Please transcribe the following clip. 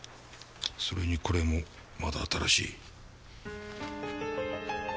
それにこれもまだ新しい。